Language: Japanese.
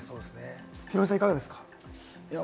ヒロミさん、いかがですか？